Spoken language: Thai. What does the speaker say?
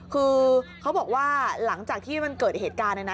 คือเขาบอกว่าหลังจากที่มันเกิดเหตุการณ์นะนะ